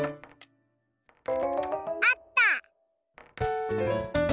あった！